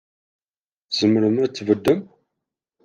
Tzemrem ad tbeddem?